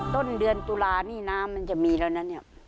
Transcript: ต้นเดือนตุลานี่น้ำมันจะมีแล้วนะเนี่ย